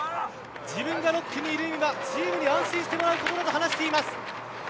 自分が６区にいる意味はチームに安心してもらうためだと話しています。